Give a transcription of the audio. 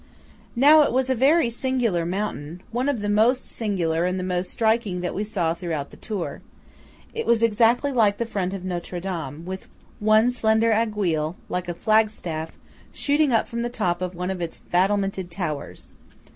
Now it was a very singular mountain–one of the most singular and the most striking that we saw throughout the tour. It was exactly like the front of Notre Dame, with one slender aiguille, like a flagstaff, shooting up from the top of one of its battlemented towers.